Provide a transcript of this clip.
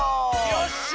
よっしゃ！